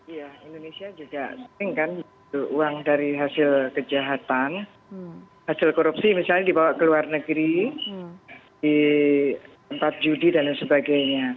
iya indonesia juga sering kan uang dari hasil kejahatan hasil korupsi misalnya dibawa ke luar negeri di tempat judi dan sebagainya